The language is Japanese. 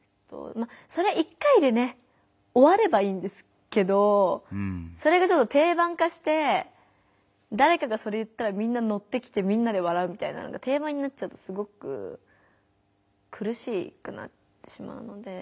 それ１回でねおわればいいんですけどそれが定番化してだれかがそれ言ったらみんなのってきてみんなで笑うみたいなのが定番になっちゃうとすごくくるしくなってしまうので。